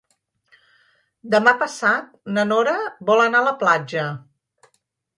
Demà passat na Nora vol anar a la platja.